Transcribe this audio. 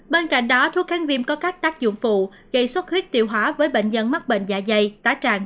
bên cạnh đó thuốc kháng viêm có các tác dụng phụ dây xuất huyết tiêu hóa với bệnh dân mắc bệnh dạ dày tá tràn v v